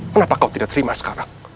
kenapa kau tidak terima sekarang